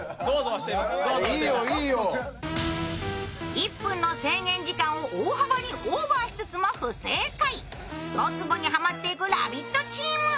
１分の制限時間を大幅にオーバーしつつも不正解。